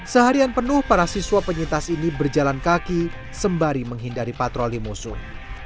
seharian penuh para siswa penyintas ini berjalan kaki sembari menghindari patroli musuh